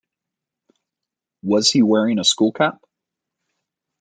Was he wearing a school cap?